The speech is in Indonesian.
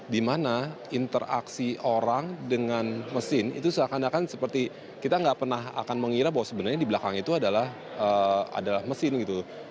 dimana interaksi orang dengan mesin itu seakan akan seperti kita nggak pernah akan mengira bahwa sebenarnya di belakang itu adalah mesin gitu